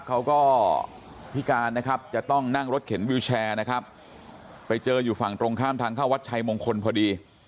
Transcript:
เขาก็พิการนะครับจะต้องนั่งรถเข็นวิวแชร์นะครับไปเจออยู่ฝั่งตรงข้ามทางเข้าวัดชัยมงคลพอดี